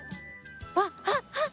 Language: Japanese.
あっあっあっ！